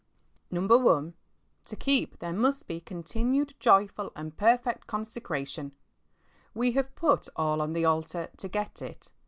L To keep there must he continued joyful and pe?fect cofisecraiion. We have put all on the altar to get it.